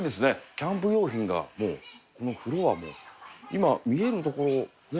キャンプ用品がもうこのフロア今見える所ね